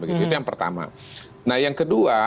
begitu itu yang pertama nah yang kedua